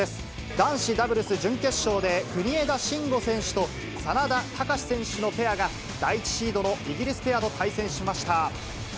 男子ダブルス準決勝で、国枝慎吾選手と眞田卓選手のペアが、第１シードのイギリスペアと対戦しました。